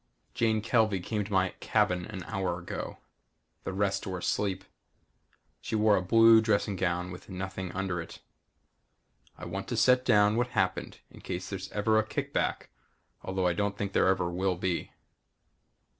Jane Kelvey came to my cabin an hour ago. The rest were asleep. She wore a blue dressing gown with nothing under it. I want to set down what happened in case there's ever a kickback although I don't think there ever will be.